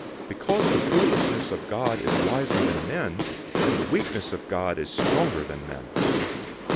001:025 Because the foolishness of God is wiser than men, and the weakness of God is stronger than men.